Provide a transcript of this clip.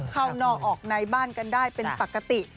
เข้านอกออกในบ้านกันได้เป็นปกติ